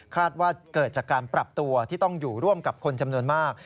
ว่าเกิดจากการปรับตัวที่ต้องอยู่ร่วมกับคนจำนวนมาก